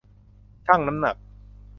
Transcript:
ชั่งน้ำหนัก